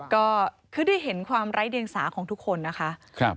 ก็คือได้เห็นความไร้เดียงสาของทุกคนนะคะ